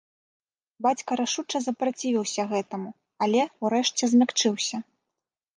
Бацька рашуча запрацівіўся гэтаму, але, урэшце, змякчыўся.